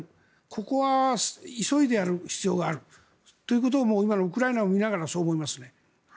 ここは急いでやる必要があるということを今のウクライナを見ながらそう思います。